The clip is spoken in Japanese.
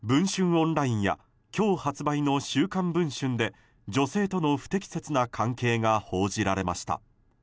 オンラインや今日発売の「週刊文春」で女性との不適切な関係が報じられました。